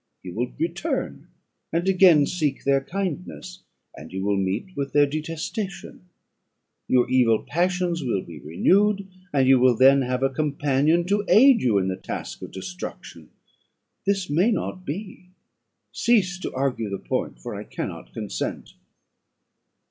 You will return, and again seek their kindness, and you will meet with their detestation; your evil passions will be renewed, and you will then have a companion to aid you in the task of destruction. This may not be: cease to argue the point, for I cannot consent."